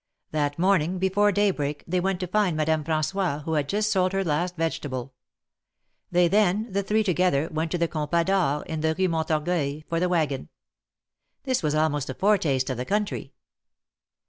That morning before daybreak they went to find Madame Fran9ois, who liad just sold her last vegetable. They then, the three together, went to the Compas d'or, in the Rue Montorgueil, for the wagon. This was almost a foretaste of the country.